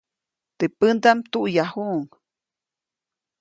Teʼ pändaʼm tuʼyajuʼuŋ.